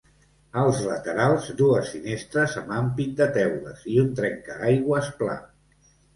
Als laterals, dues finestres amb ampit de teules i un trenca aigües pla.